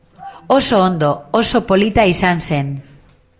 Oso ondo, oso polita izan zen.